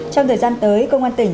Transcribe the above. trong thời gian tới công an tỉnh